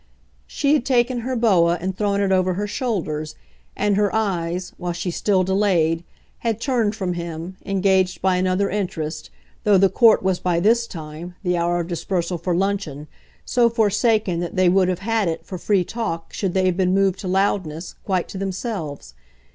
She had taken her boa and thrown it over her shoulders, and her eyes, while she still delayed, had turned from him, engaged by another interest, though the court was by this time, the hour of dispersal for luncheon, so forsaken that they would have had it, for free talk, should they have been moved to loudness, quite to themselves.